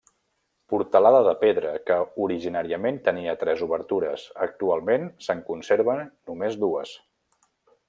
Portalada de pedra que originàriament tenia tres obertures, actualment se'n conserven només dues.